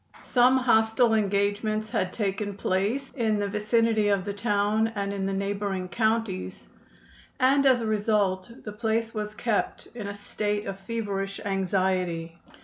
Some hostile engagements had taken place in the vicinity of the town and in the neighboring counties, and as a result the place was kept in a state of feverish anxiety.